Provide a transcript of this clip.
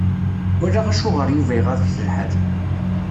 Walaɣ acuɣer Yuba iɣaḍ-it lḥal.